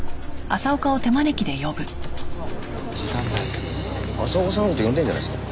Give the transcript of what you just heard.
朝岡さんの事呼んでるんじゃないですか？